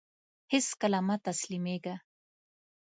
هيڅکله مه تسلميږه !